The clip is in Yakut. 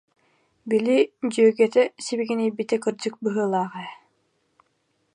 Били, дьүөгэтэ сибигинэйбитэ кырдьык быһыылаах ээ